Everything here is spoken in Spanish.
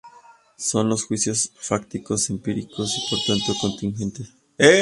Son los juicios fácticos, empíricos y por tanto contingentes.